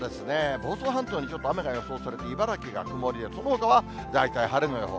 房総半島にちょっと雨が予想されて、茨城が曇りで、そのほかは大体晴れの予報。